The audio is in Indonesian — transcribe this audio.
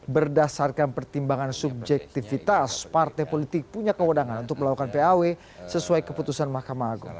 berdasarkan pertimbangan subjektivitas partai politik punya kewenangan untuk melakukan paw sesuai keputusan mahkamah agung